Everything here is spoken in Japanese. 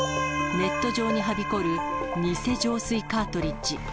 ネット上にはびこる偽浄水カートリッジ。